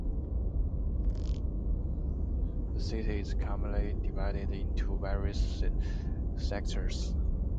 The city is commonly divided into various sectors.